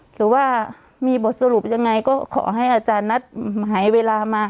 หรือว่ามีบทสรุปยังไงก็ขอให้อาจารย์นัดหายเวลามา